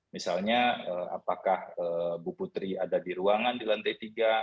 misalnya apakah bu putri ada di ruangan di lantai tiga